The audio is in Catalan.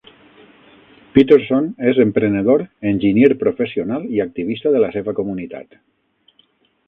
Peterson és emprenedor, enginyer professional i activista de la seva comunitat.